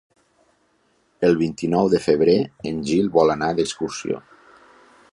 El vint-i-nou de febrer en Gil vol anar d'excursió.